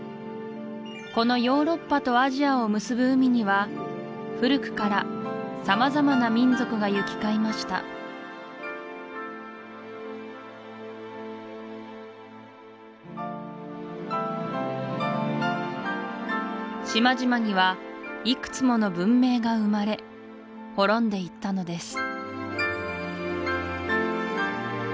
このヨーロッパとアジアを結ぶ海には古くから様々な民族が行き交いました島々にはいくつもの文明が生まれ滅んでいったのです